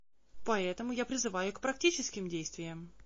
Поэтому я призываю к практическим действиям.